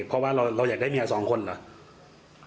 เพราะว่าเราอยากได้เมียสองคนเหรอ